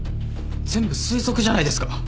全部推測じゃないですか。